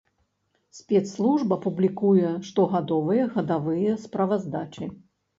Спецслужба публікуе штогадовыя гадавыя справаздачы.